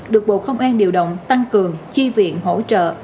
được bộ công an điều động tăng cường chi viện hỗ trợ